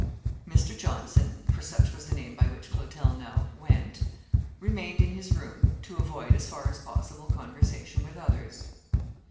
Mr. Johnson (for such was the name by which Clotel now went) remained in his room, to avoid, as far as possible, conversation with others.